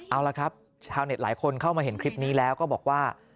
เอาละครับชาวเน็ตหลายคนเข้ามาเห็นคลิปนี้แล้วก็บอกว่า